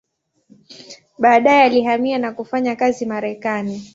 Baadaye alihamia na kufanya kazi Marekani.